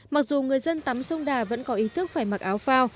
mặc dù người dân tắm sông đà vẫn có ý thức phải mặc áo phao